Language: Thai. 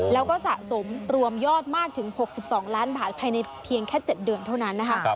แล้วก็สะสมรวมยอดมากถึง๖๒ล้านบาทภายในเพียงแค่๗เดือนเท่านั้นนะคะ